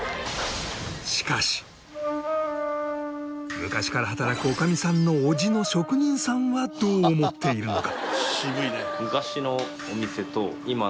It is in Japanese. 昔から働く女将さんのおじの職人さんはどう思っているのか？